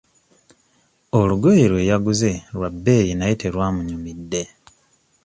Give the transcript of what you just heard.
Olugoye lwe yaguze lwa bbeeyi naye terwamunyumidde.